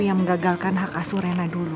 yang menggagalkan hak asur rena dulu